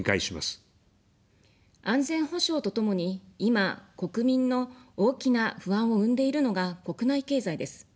安全保障とともに、今、国民の大きな不安を生んでいるのが国内経済です。